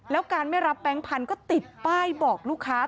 แล้วการไม่รับแบงค์พันธุ์ก็ติดป้ายบอกลูกค้า